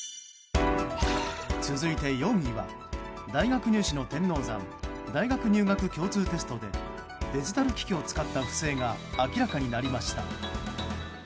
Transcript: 続いて４位は大学入試の天王山大学入学共通テストでデジタル機器を使った不正が明らかになりました。